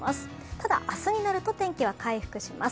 ただ明日になると天気は回復します。